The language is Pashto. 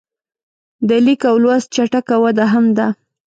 د لیک او لوست چټکه وده هم ده.